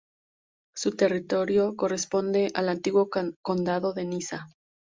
Su territorio corresponde al antiguo condado de Niza.